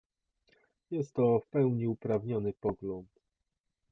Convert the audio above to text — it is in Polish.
Jest to w pełni uprawniony pogląd